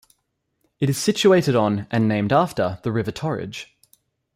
It is situated on and named after the River Torridge.